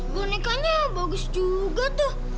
bonekanya bagus juga tuh